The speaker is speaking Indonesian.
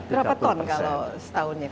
berapa ton kalau setahunnya